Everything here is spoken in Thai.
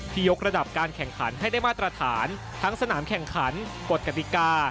ยกระดับการแข่งขันให้ได้มาตรฐานทั้งสนามแข่งขันกฎกติกา